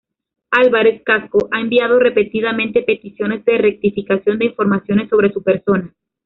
Álvarez-Cascos ha enviado repetidamente peticiones de rectificación de informaciones sobre su persona.